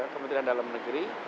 kementerian dalam negeri